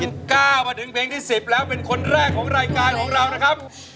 มาถึงเพลงที่๑๐แล้วเป็นคนแรกของรายการของเรานะครับ